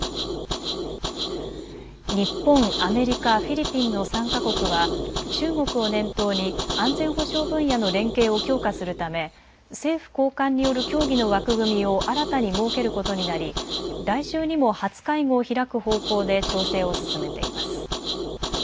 日本、アメリカ、フィリピンの３か国は中国を念頭に安全保障分野の連携を強化するため政府高官による協議の枠組みを新たに設けることになり来週にも初会合を開く方向で調整を進めています。